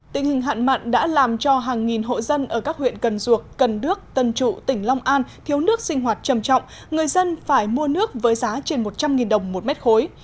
tình hình hạn mặn đã làm cho hàng nghìn hộ dân ở các huyện cần duộc cần đước tân trụ tỉnh long an thiếu nước sinh hoạt trầm trọng người dân phải mua nước với giá trên một trăm linh đồng một mét khối